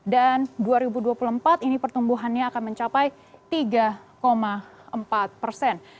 dan dua ribu dua puluh empat ini pertumbuhannya akan mencapai tiga empat persen